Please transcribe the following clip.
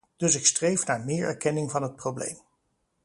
Dus ik streef naar meer erkenning van het probleem.